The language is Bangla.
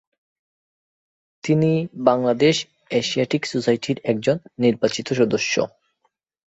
তিনি বাংলাদেশ এশিয়াটিক সোসাইটির একজন নির্বাচিত সদস্য।